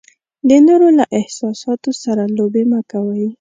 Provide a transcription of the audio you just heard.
د نورو له احساساتو سره لوبې مه کوئ.